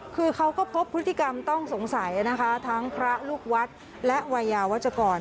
คือเขาก็พบพฤติกรรมต้องสงสัยนะคะทั้งพระลูกวัดและวัยยาวัชกร